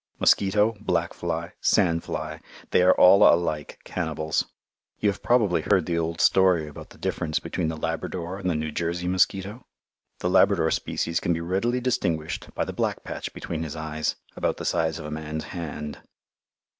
Mosquito, black fly, sand fly they are all alike cannibals. You have probably heard the old story about the difference between the Labrador and the New Jersey mosquito? The Labrador species can be readily distinguished by the black patch between his eyes about the size of a man's hand.